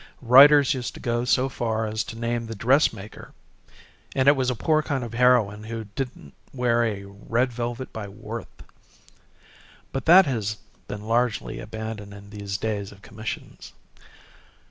Writers used to go so far as to name the dressmaker; and it was a poor kind of a heroine who didn't wear a red velvet by Worth. But that has been largely abandoned in these days of commissions.